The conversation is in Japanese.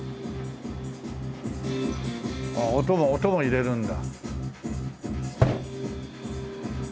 あっ音が音も入れるんだ。